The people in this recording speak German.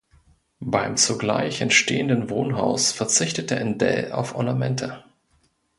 Beim zugleich entstehenden Wohnhaus verzichtete Endell auf Ornamente.